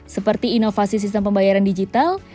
seperti inovasi sistem pembayaran digital